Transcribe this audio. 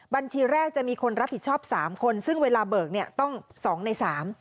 บัญชีแรกจะมีคนรับผิดชอบ๓คนซึ่งเวลาเบิกต้อง๒ใน๓